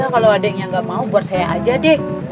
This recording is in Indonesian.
kalau ada yang gak mau buat saya aja deh